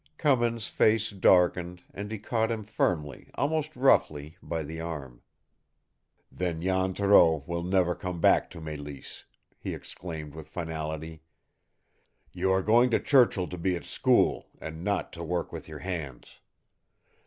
Cummins' face darkened, and he caught him firmly, almost roughly, by the arm. "Then Jan Thoreau will never come back to Mélisse," he exclaimed with finality. "You are going to Churchill to be at school, and not to work with your hands.